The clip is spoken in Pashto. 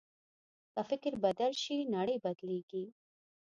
که فکر بدل شي، نړۍ بدلېږي.